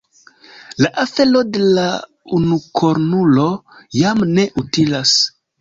La afero de la unukornulo jam ne utilas.